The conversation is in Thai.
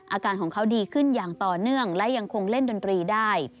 อาการของเขาดีขึ้นอย่างต่อเนื่องและยังคงเล่นดนตรีได้